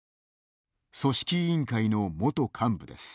組織委員会の元幹部です。